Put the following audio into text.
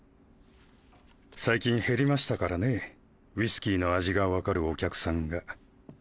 最近減りましたからねウイスキーの味が分かるお客さんが。